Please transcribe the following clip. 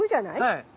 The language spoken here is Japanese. はい。